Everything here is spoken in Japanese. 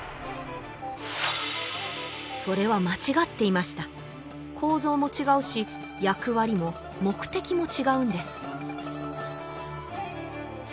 それは間違っていました構造も違うし役割も目的も違うんです